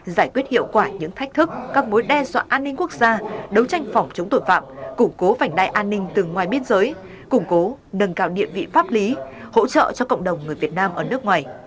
giải quyết hiệu quả những thách thức các mối đe dọa an ninh quốc gia đấu tranh phòng chống tội phạm củng cố vành đai an ninh từ ngoài biên giới củng cố nâng cao địa vị pháp lý hỗ trợ cho cộng đồng người việt nam ở nước ngoài